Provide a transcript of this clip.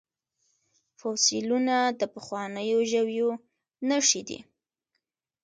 فوسیلیونه د پخوانیو ژویو نښې دي